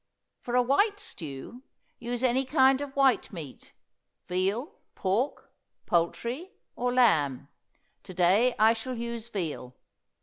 For a white stew, use any kind of white meat veal, pork, poultry, or lamb. To day I shall use veal.